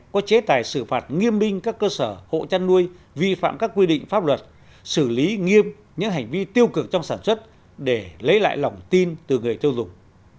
có chế tài xử phạt nghiêm minh các cơ sở hộ chăn nuôi vi phạm các quy định pháp luật xử lý nghiêm những hành vi tiêu cực trong sản xuất để lấy lại lòng tin từ người tiêu dùng